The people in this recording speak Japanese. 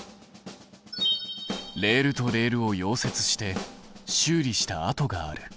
レールとレールを溶接して修理したあとがある。